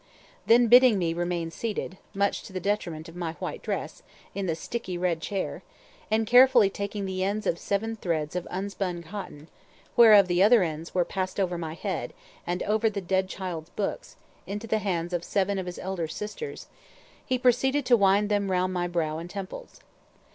Then, bidding me "remain seated," much to the detriment of my white dress, in the sticky red chair, and carefully taking the ends of seven threads of unspun cotton (whereof the other ends were passed over my head, and over the dead child's books, into the hands of seven of his elder sisters), he proceeded to wind them round my brow and temples.